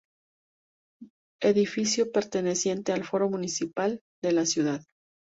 Edificio perteneciente al foro municipal de la ciudad.